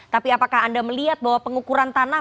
tapi apakah anda melihat bahwa pengukuran tanah